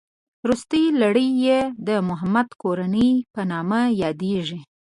روستۍ لړۍ یې د محمد کورنۍ په نامه یادېږي.